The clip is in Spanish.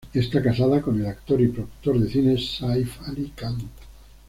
Está casada con el actor y productor de cine Saif Ali Khan.